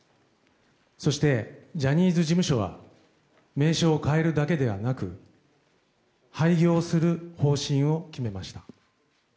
そして、ジャニーズ事務所は名称を変えるだけではなく廃業する方針を決めました。